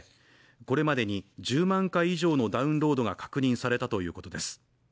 これまでに１０万回以上のダウンロードが確認されたということです